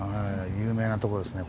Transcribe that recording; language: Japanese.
有名なとこですね